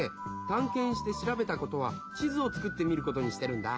たんけんしてしらべたことは地図を作ってみることにしてるんだ。